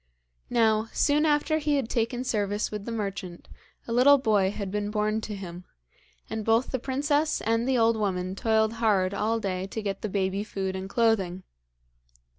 Now, soon after he had taken service with the merchant a little boy had been born to him, and both the princess and the old woman toiled hard all day to get the baby food and clothing.